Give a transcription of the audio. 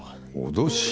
脅し？